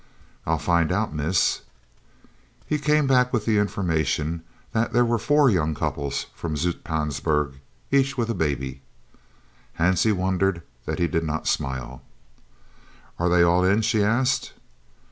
"I'll find out, miss." He came back with the information that there were four young couples from Zoutpansberg, each with a baby. Hansie wondered that he did not smile. "Are they all in?" she asked.